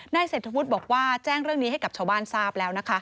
เศรษฐวุฒิบอกว่าแจ้งเรื่องนี้ให้กับชาวบ้านทราบแล้วนะคะ